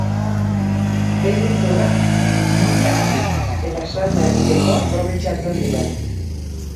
Behi hezurrak muinagatik eta salda egiteko aprobetxatzen dira.